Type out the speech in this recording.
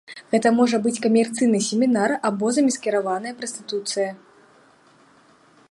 Гэта можа быць камерцыйны семінар або замаскіраваная прастытуцыя.